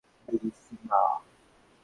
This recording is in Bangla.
এই, সিম্বা!